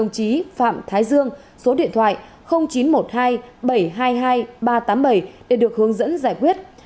đồng chí phạm thái dương số điện thoại chín trăm một mươi hai bảy trăm hai mươi hai ba trăm tám mươi bảy để được hướng dẫn giải quyết